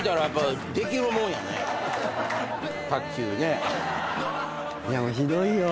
卓球ね。